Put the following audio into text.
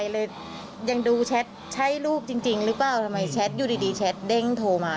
ลูกก็อยู่ตรงนั้นได้ยังไง